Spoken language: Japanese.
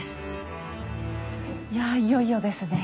いやいよいよですねえ。